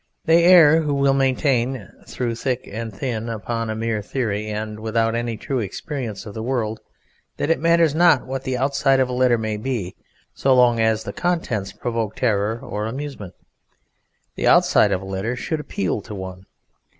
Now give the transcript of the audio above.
They err who will maintain through thick and thin upon a mere theory and without any true experience of the world, that it matters not what the outside of a letter may be so long as the contents provoke terror or amusement. The outside of a letter should appeal to one.